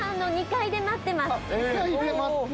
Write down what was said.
２階で待ってます。